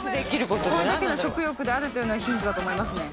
これだけの食欲であるというのはヒントだと思いますね。